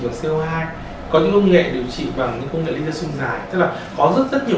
bằng co hai có những công nghệ điều trị bằng những công nghệ laser xung giải tức là có rất rất nhiều